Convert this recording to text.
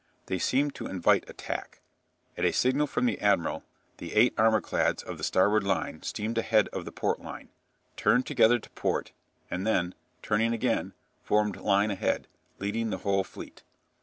They seemed to invite attack. At a signal from the admiral, the eight armour clads of the starboard line steamed ahead of the port line, turned together to port, and then, turning again, formed line ahead, leading the whole fleet.